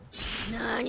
何！？